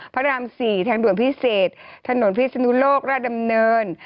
พระราม๔ทางด่วนพิเศษถนนพิศนุโลกราชดำเนิน